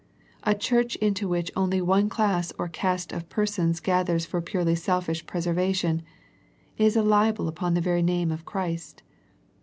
A church into which only one class or caste of persons gathers for purely self ish preservation, is a libel upon the very name of Christ.